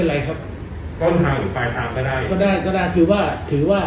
ในกรณีเนี้ยครับถ้าเป็นที่จังหวัด